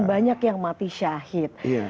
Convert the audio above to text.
banyak yang mati syahid